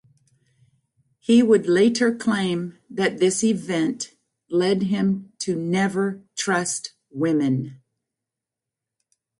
He would later claim that this event led him to never trust women.